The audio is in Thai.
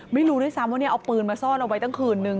ไม่รู้ด้วยซ้ำว่าเอาปืนมาซ่อนเอาไว้ตั้งคืนนึง